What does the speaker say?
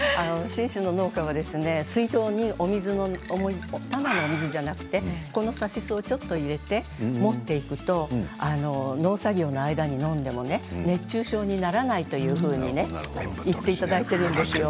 水筒にただの水、水筒にただの水じゃなくさしすを入れて持っていくと農作業の間に飲んでも熱中症にならないというふうにね言っていただいているんですよ。